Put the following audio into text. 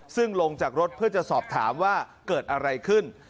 ซึ่งลงจากรถเพื่อจะสอบถามว่าเกิดอะไรขึ้น